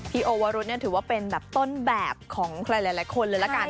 พี่โอวรุธถือว่าเป็นต้นแบบของหลายคนเลยละกัน